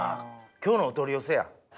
今日のお取り寄せや。